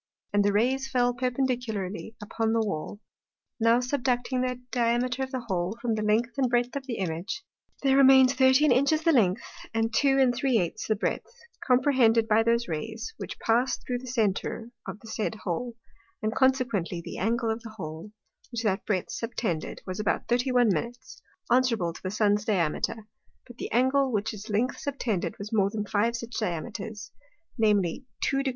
And the Rays fell perpendicularly upon the Wall. Now subducting the Diameter of the Hole from the length and breadth of the Image, there remains 13 Inches the length, and 2⅜ the breadth, comprehended by those Rays, which passed thro' the Center of the said Hole, and consequently the Angle of the Hole, which that breadth subtended, was about 31', answerable to the Sun's Diameter; but the Angle, which its length subtended, was more than five such Diameters, namely 2° 49'.